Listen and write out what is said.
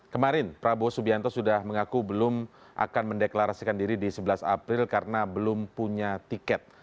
kemarin prabowo subianto sudah mengaku belum akan mendeklarasikan diri di sebelas april karena belum punya tiket